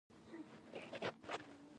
آیا د غنمو تخم له کرلو مخکې زهرجن کړم؟